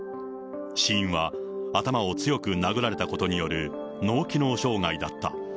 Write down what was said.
死因は頭を強く殴られたことによる、脳機能障害だった。